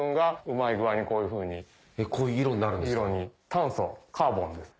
炭素カーボンです。